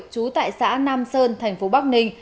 trú tại xã nam sơn tp bắc ninh